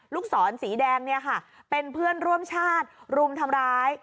ลูกศรสีแดงเนี่ยค่ะเป็นเพื่อนร่วมชาติรุมทำร้าย